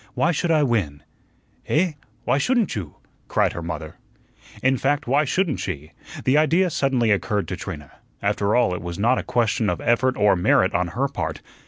"Why should I win?" "Eh? Why shouldn't you?" cried her mother. In fact, why shouldn't she? The idea suddenly occurred to Trina. After all, it was not a question of effort or merit on her part.